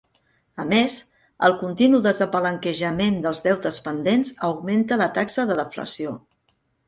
A més, el continu despalanquejament dels deutes pendents augmenta la taxa de deflació.